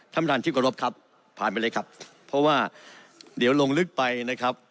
ท่านประธานที่กรบครับผ่านไปเลยครับเพราะว่าเดี๋ยวลงลึกไปนะครับ